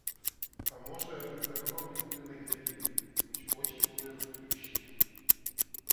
А може, загалом нікуди не глядів, хоч очі були розплющені.